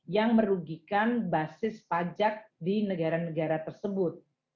yang merugikan basis pajak di negara negara tersebut